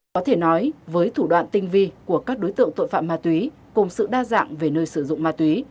có thể nói với thủ đoạn tinh vi của các đối tượng tội phạm ma túy cùng sự đa dạng về nơi sử dụng ma túy